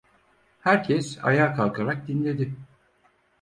Herkes ayağa kalkarak dinledi.